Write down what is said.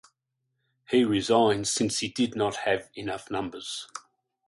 He resigned since he did not have enough numbers.